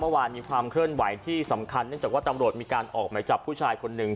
เมื่อวานมีความเคลื่อนไหวที่สำคัญเนื่องจากว่าตำรวจมีการออกไหมจับผู้ชายคนหนึ่ง